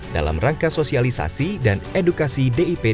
dalam rangka sosialisasi dan edukasi de innovasi